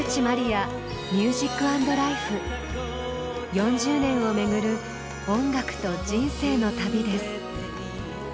４０年をめぐる「音楽と人生の旅」です。